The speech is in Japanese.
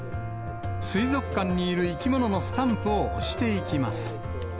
水族館にいる生き物のスタンプを押していきます。